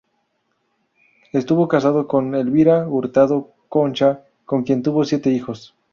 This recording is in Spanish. Estuvo casado con Elvira Hurtado Concha, con quien tuvo siete hijos.